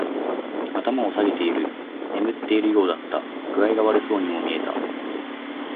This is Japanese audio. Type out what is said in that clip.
頭を下げている。眠っているようだった。具合が悪そうにも見えた。